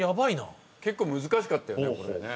結構難しかったよねこれね。